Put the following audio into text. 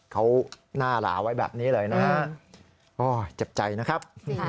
เขาหน้าหลาไว้แบบนี้เลยนะฮะโอ้เจ็บใจนะครับ